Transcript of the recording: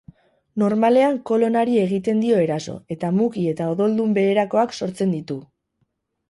Normalean kolonari egiten dio eraso eta muki eta odoldun beherakoak sortzen ditu.